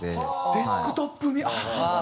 デスクトップああ！